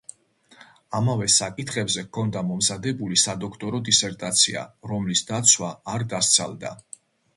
ამავე საკითხებზე ჰქონდა მომზადებული სადოქტორო დისერტაცია, რომლის დაცვა არ დასცალდა.